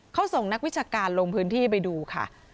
เขาส่งนักวิชาการลงพื้นที่ไปดูค่ะ